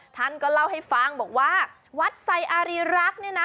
ท่านก็เล่าให้ฟังบอกว่าวัดไซอารีรักษ์เนี่ยนะ